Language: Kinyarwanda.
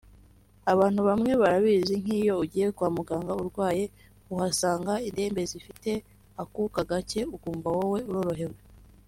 Abantu bamwe barabizi nk’iyo ugiye kwa muganga urwaye uhasanga indembe zifite akuka gake ukumva wowe urorohewe